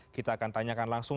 kita akan tanyakan langsung